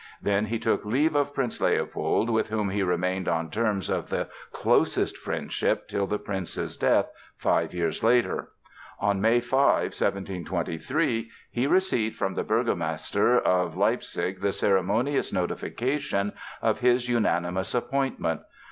Then he took leave of Prince Leopold, with whom he remained on terms of the closest friendship till the prince's death five years later. On May 5, 1723 he received from the burgomaster of Leipzig the ceremonious notification of his unanimous appointment.